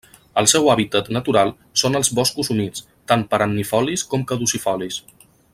El seu hàbitat natural són els boscos humits, tant perennifolis com caducifolis.